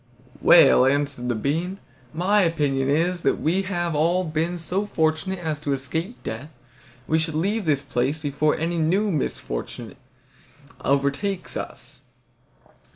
"Well," answered the bean, "my opinion is that, as we have all been so fortunate as to escape death, we should leave this place before any new misfortune overtakes us.